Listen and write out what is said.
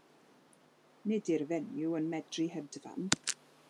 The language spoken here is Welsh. Nid yw'r fenyw yn medru hedfan.